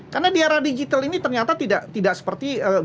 karena di arah digital ini ternyata tidak seperti berbeda